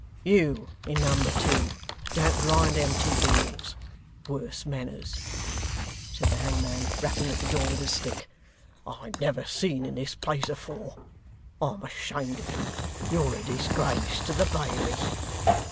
You in number two, don't grind them teeth of yours. Worse manners,' said the hangman, rapping at the door with his stick, 'I never see in this place afore. I'm ashamed of you. You're a disgrace to the Bailey.